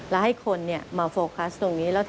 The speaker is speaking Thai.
และมาโฟคัสตรงนี้